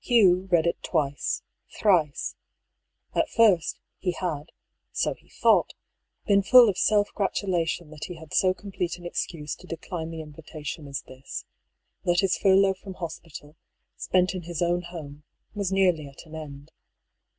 Hugh read it twice, thrice. At first, he had (so he thought) been full of self gratulation that he had so complete an excuse to decline the invitation as this, that his furlough from hospital, spent in his own home, was AN INITIAL LETTER. 23 nearly at an end.